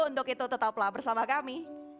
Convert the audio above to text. untuk itu tetaplah bersama kami